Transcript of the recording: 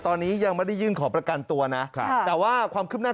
ตอนนี้ยังไม่ได้ยื่นขอประกันตัวนะแต่ว่าความคืบหน้า